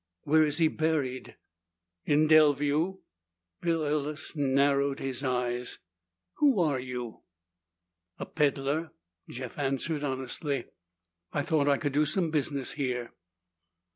"Where is he buried?" "In Delview." Bill Ellis narrowed his eyes. "Who are you?" "A peddler," Jeff answered honestly. "I thought I could do some business here."